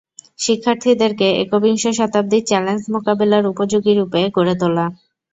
শিক্ষার্থীদেরকে একবিংশ শতাব্দীর চ্যালেঞ্জ মোকাবিলার উপযোগী রূপে গড়ে তোলা।